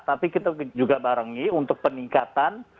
tapi kita juga barengi untuk peningkatan